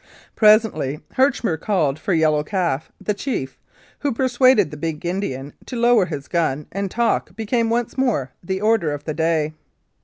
Presently Herchmer called for Yellow Calf, the chief, who persuaded the big Indian to lower his gun, and "talk" became once more the order of the day.